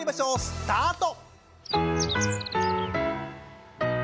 スタート！